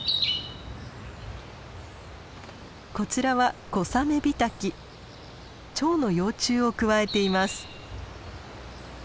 こちらはチョウの幼虫をくわえています。